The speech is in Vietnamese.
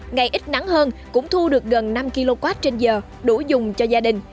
ngày ít nắng hơn cũng thu được gần năm kw trên giờ đủ dùng cho gia đình